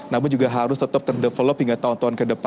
namun juga harus tetap ter develop hingga tahun tahun ke depannya